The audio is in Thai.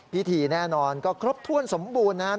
พิธีแน่นอนก็ครบถ้วนสมบูรณ์นะครับ